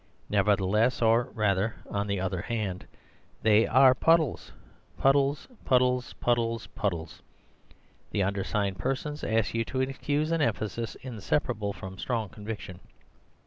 Nevertheless, or, rather, on the other hand, they are puddles—puddles, puddles, puddles, puddles. The undersigned persons ask you to excuse an emphasis inseparable from strong conviction."